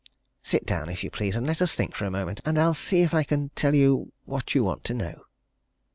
Sit down, if you please, and let us think for a moment. And I'll see if I can tell you what you want to know."